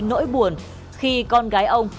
nỗi buồn khi con gái ông